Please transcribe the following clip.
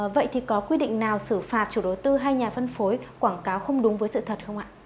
vậy thì có quy định nào xử phạt chủ đối tư hay nhà phân phối quảng cáo không đúng với sự thật không ạ